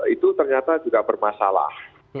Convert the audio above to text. itu ternyata juga bermasalah